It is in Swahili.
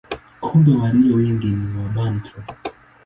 Kumbe walio wengi ni Wabantu.